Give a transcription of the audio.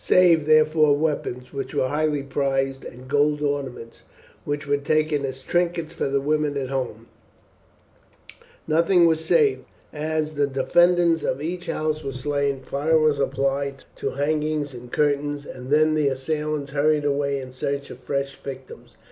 Save, therefore, weapons, which were highly prized, and gold ornaments, which were taken as trinkets for the women at home, nothing was saved. As the defenders of each house were slain, fire was applied to hangings and curtains, and then the assailants hurried away in search of fresh victims.